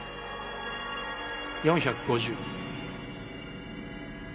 ４５０。